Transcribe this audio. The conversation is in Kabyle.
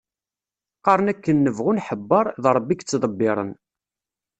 Qqaren akken nebɣu nḥebbeṛ, d Rebbi i yettḍebbiren.